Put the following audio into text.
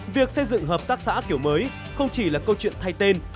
việc xây dựng hợp tác xã kiểu mới không chỉ là câu chuyện thay tên